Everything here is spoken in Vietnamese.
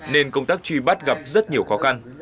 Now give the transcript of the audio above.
nên công tác truy bắt gặp rất nhiều khó khăn